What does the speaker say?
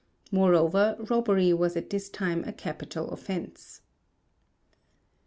Moreover robbery was at this time a capital offence.